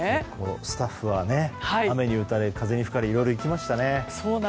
スタッフは雨に打たれ、風に吹かれいろいろ行きましたね。